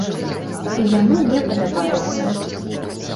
І яно мне падабаецца.